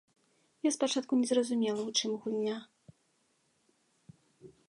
Я спачатку не зразумеў, у чым гульня.